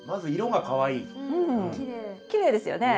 きれいですよね。